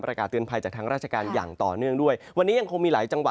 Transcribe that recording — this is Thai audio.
อากาศเตือนภัยจากทางราชการอย่างต่อเนื่องด้วยวันนี้ยังคงมีหลายจังห